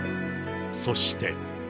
そして。